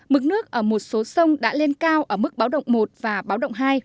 mực nước ở một số sông đã lên cao ở mức báo động một và báo động hai